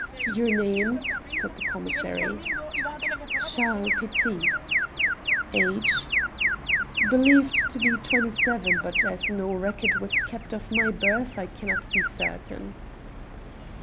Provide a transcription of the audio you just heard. "Your name?" said the commissary. "Charles Petit." "Age?" "Believed to be twenty seven, but as no record was kept of my birth I cannot be certain."